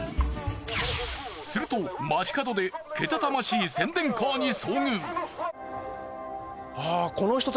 すると街角でけたたましい宣伝カーに遭遇。